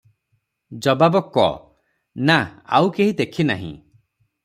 ଜବାବ କଃ -ନା, ଆଉ କେହି ଦେଖି ନାହିଁ ।